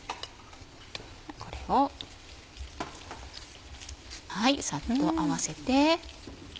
これをサッと合わせて。